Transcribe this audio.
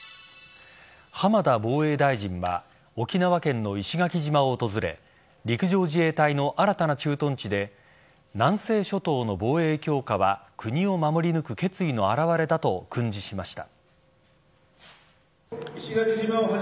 浜田防衛大臣は沖縄県の石垣島を訪れ陸上自衛隊の新たな駐屯地で南西諸島の防衛強化は国を守り抜く決意の表れだと訓示しました。